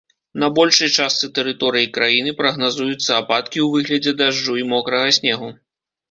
На большай частцы тэрыторыі краіны прагназуюцца ападкі ў выглядзе дажджу і мокрага снегу.